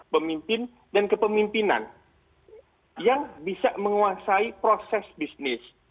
pemimpin dan kepemimpinan yang bisa menguasai proses bisnis